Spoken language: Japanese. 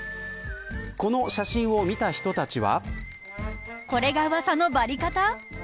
この写真を見た人たちは。